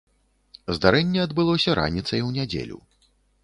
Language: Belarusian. Здарэнне адбылося раніцай у нядзелю.